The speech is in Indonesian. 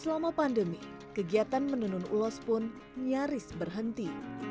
selama pandemi kegiatan menenun ulos pun nyaris berhenti